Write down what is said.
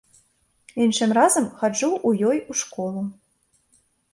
Іншым разам хаджу ў ёй у школу.